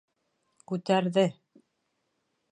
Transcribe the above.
Күтәрҙе!